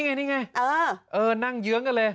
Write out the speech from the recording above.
นี่ไงนั่งเยื้องกันเลย